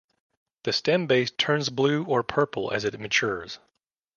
The stem base turns blue or purple as it matures.